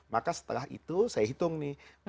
maka setelah itu saya hitung nih